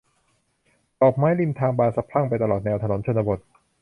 ดอกไม้ริมทางบานสะพรั่งไปตลอดแนวถนนชนบท